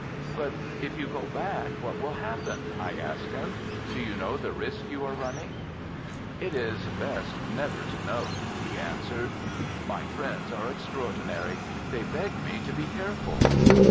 'But if you go back what will happen? 'I asked him. 'Do you know the risk you are running?' 'It is best never to know,' he answered. 'My friends are extraordinary they beg me to be careful.